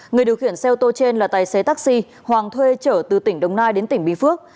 người điều khiển xe ô tô trên là tài xế taxi hoàng thuê trở từ tỉnh đồng nai đến tỉnh bình phước